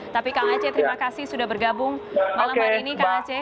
tapi kang aceh terima kasih sudah bergabung malam hari ini kang aceh